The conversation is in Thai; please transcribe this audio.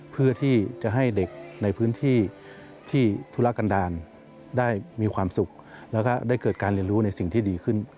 เพื่อที่จะให้เด็กในพื้นที่ที่ธุรกันดาลได้มีความสุขแล้วก็ได้เกิดการเรียนรู้ในสิ่งที่ดีขึ้น